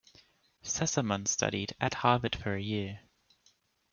Sassamon studied at Harvard for a year.